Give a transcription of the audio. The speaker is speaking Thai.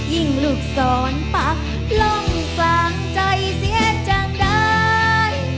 ยิ่งลูกสอนปะลองสั่งใจเสียจังได้